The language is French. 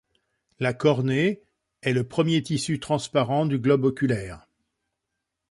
La cornée est le premier tissus transparent du globe oculaire.